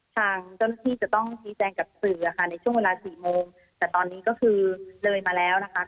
ทางเจ้าหน้าที่จะต้องชี้แจงกับสื่ออะค่ะในช่วงเวลาสี่โมงแต่ตอนนี้ก็คือเลยมาแล้วนะคะ